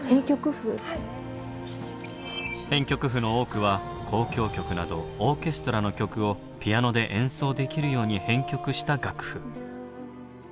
編曲譜の多くは交響曲などオーケストラの曲をピアノで演奏できるように編曲した楽譜。